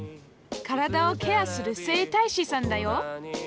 体をケアする整体師さんだよ